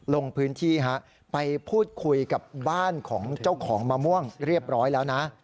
ลงพื้นที่ไปพูดคุยกับบ้านของเจ้าของมะม่วงเรียบร้อยแล้วนะ